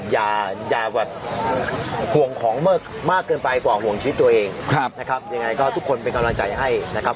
อย่าแบบห่วงของมากเกินไปกว่าห่วงชีวิตตัวเองนะครับยังไงก็ทุกคนเป็นกำลังใจให้นะครับ